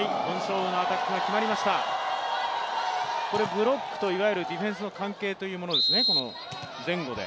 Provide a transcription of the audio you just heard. ブロックといわゆるディフェンスの関係ということですね、前後で。